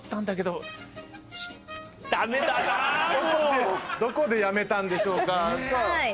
どこでやめたんでしょうか？